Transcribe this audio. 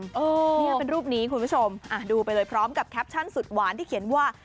นี่เป็นรูปนี้คุณผู้ชมดูไปเลยพร้อมกับแคปชั่นสุดหวานที่เขียนว่า